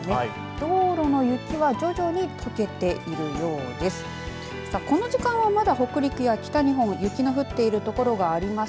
道路の雪は徐々にとけているようです。